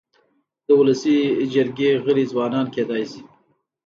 د ولسي جرګي غړي ځوانان کيدای سي.